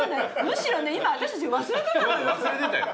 むしろね今私たち忘れてたのよ。